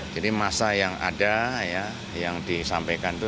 jadi masa yang ada yang disampaikan itu